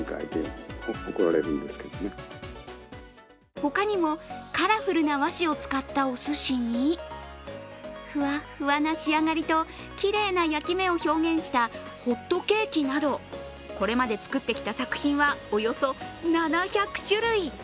他にもカラフルな和紙を使ったおすしに、ふわっふわな仕上がりときれいな焼き目を表現したホットケーキなど、これまで作ってきた作品はおよそ７００種類。